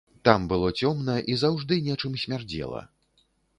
Там было цёмна і заўжды нечым смярдзела.